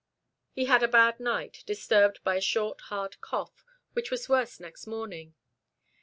He had a bad night, disturbed by a short, hard cough, which was worse next morning.